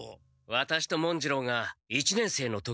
ワタシと文次郎が一年生の時だ。